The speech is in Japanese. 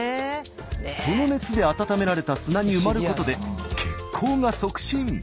その熱で温められた砂に埋まることで血行が促進。